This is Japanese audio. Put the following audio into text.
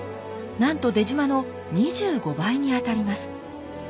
なんと出島の２５倍にあたります。